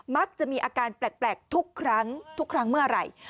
มักจะมีอาการแปลกทุกครั้งเมื่ออะไร